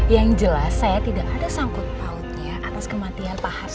yang jelas saya tidak ada sangkut pautnya atas kematian pak hasto